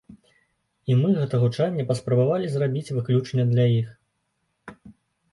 І мы гэта гучанне паспрабавалі зрабіць выключна для іх.